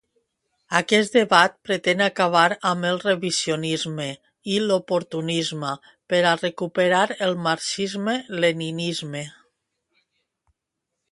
Aquest debat pretén acabar amb el revisionisme i l'oportunisme per a recuperar el marxisme-leninisme.